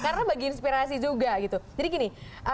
karena bagi inspirasi juga gitu jadi gini